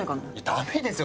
ダメですよ